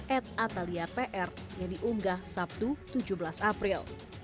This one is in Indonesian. atataliapr yang diunggah sabtu tujuh belas april